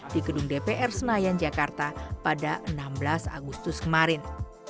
di gedung dpr senayan jakarta pada enam belas agustus kemarin